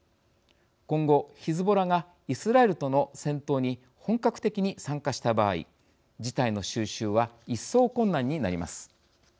今後、ヒズボラがイスラエルとの戦闘に本格的に参加した場合事態の収拾は一層困難になります。